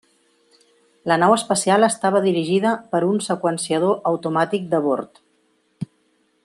La nau espacial estava dirigida per un seqüenciador automàtic de bord.